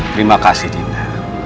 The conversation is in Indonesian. terima kasih dinda